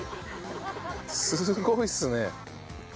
すごいですね！